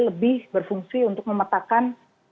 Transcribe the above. lebih berfungsi untuk memetakan